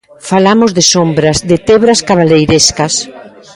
Falamos de sombras, de tebras cabaleirescas.